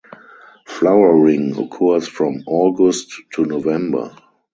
Flowering occurs from August to November.